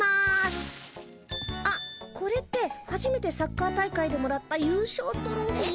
あっこれってはじめてサッカー大会でもらった優勝トロフィー。